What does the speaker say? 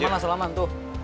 selamat mas selamat tuh